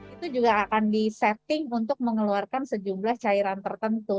itu juga akan disetting untuk mengeluarkan sejumlah cairan tertentu